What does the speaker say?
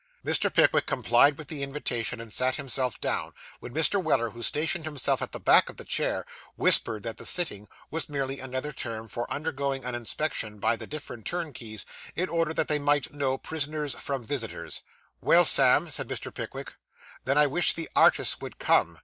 Mr. Pickwick complied with the invitation, and sat himself down; when Mr. Weller, who stationed himself at the back of the chair, whispered that the sitting was merely another term for undergoing an inspection by the different turnkeys, in order that they might know prisoners from visitors. 'Well, Sam,' said Mr. Pickwick, 'then I wish the artists would come.